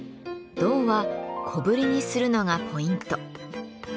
胴は小ぶりにするのがポイント。